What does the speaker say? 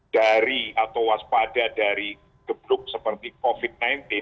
dari atau waspada dari geblok seperti covid sembilan belas